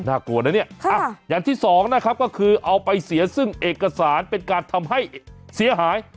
กลัวนะเนี่ยอย่างที่สองนะครับก็คือเอาไปเสียซึ่งเอกสารเป็นการทำให้เสียหาย